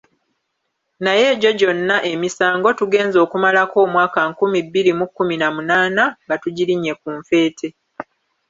Naye egyo gyonna emisango tugenze okumalako omwaka nkumi bbiri mu kkumi na munaana nga tugirinnye ku nfeete.